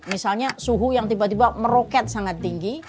misalnya suhu yang tiba tiba meroket sangat tinggi